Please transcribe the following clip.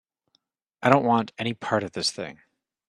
I don't want any part of this thing.